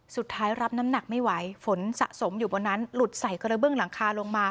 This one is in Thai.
รับน้ำหนักไม่ไหวฝนสะสมอยู่บนนั้นหลุดใส่กระเบื้องหลังคาลงมา